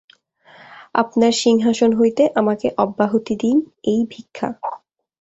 আপনার সিংহাসন হইতে আমাকে অব্যাহতি দিন, এই ভিক্ষা।